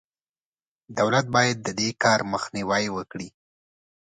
دولت باید د دې کار مخنیوی وکړي.